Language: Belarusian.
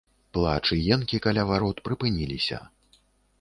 Плач і енкі каля варот прыпыніліся.